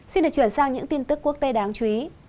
xin được chuyển sang những tin tức quốc tế đáng chú ý